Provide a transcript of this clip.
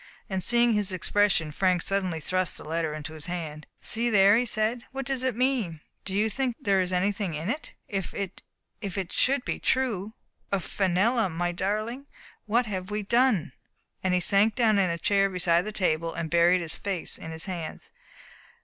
And seeing his expression, Frank suddenly thrust the letter into his hand. "See there,*' he said. "What does it mean? Do you think there is anything in it? If it should be true — of Fenella, my darling — what have we done?" And he sank down in a chair beside the table, and buried his face in his hands.